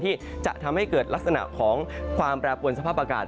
ที่จะทำให้เกิดลักษณะของความแปรปวนสภาพอากาศ